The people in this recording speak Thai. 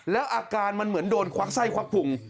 แล้วอาการมันเหมือนโดนควักไส้ควักพุง